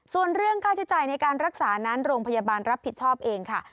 ส่วนเรื่องค่าใช้จ่ายในการรักษานั้นโรงพยาบาลรับผิดชอบเองค่ะ